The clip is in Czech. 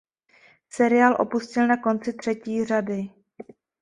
Seriál opustil na konci třetí řady.